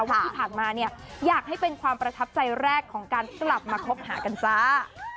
ว่าที่ผ่านมาเนี่ยอยากให้เป็นความประทับใจแรกของการกลับมาคบหากันจ้า